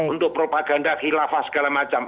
untuk propaganda khilafah segala macam